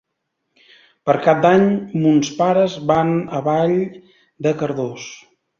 Per Cap d'Any mons pares van a Vall de Cardós.